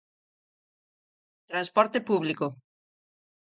Transporte público.